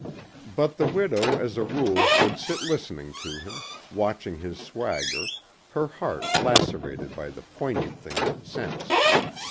But the widow as a rule would sit listening to him, watching his swagger, her heart lacerated by the poignant things it sensed.